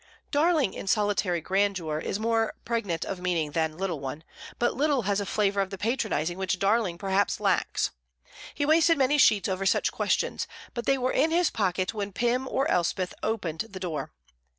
"Darling" in solitary grandeur is more pregnant of meaning than "little one," but "little" has a flavour of the patronizing which "darling" perhaps lacks. He wasted many sheets over such questions; but they were in his pocket when Pym or Elspeth opened the door.